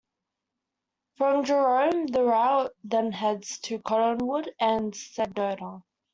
From Jerome, the route then heads to Cottonwood and Sedona.